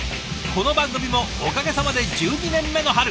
この番組もおかげさまで１２年目の春。